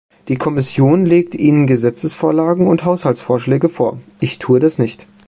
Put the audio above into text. Die Kommission legt Ihnen Gesetzesvorlagen und Haushaltsvorschläge vor, ich tue das nicht.